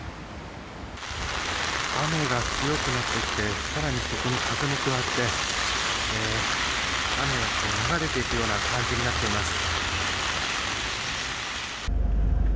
雨が強くなってきて更にそこに風も加わって雨が流れていくような感じになっています。